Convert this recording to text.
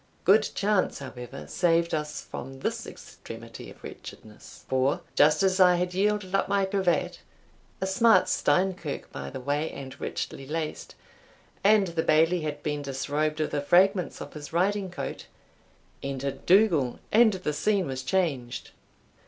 Good chance, however, saved us from this extremity of wretchedness; for, just as I had yielded up my cravat (a smart Steinkirk, by the way, and richly laced), and the Bailie had been disrobed of the fragments of his riding coat enter Dougal, and the scene was changed.